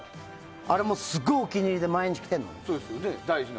あれ、すごいお気に入りで毎日着てるの。